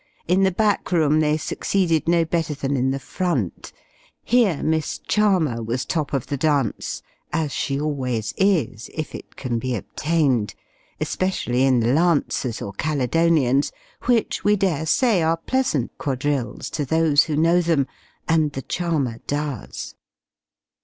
In the back room they succeeded no better than in the front: here, Miss Charmer was top of the dance, as she always is, if it can be obtained; especially in the Lancers or Caledonians (which, we dare say, are pleasant quadrilles to those who know them, and the Charmer does).